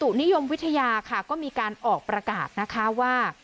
นิยมวิทยาค่ะก็มีการออกประกาศนะคะว่า